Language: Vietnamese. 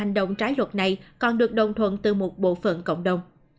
hành động trái luật này còn được đồng thuận từ một bộ phận cộng đồng